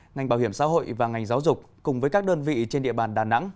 ngành bảo hiểm xã hội và ngành giáo dục cùng với các đơn vị trên địa bàn đà nẵng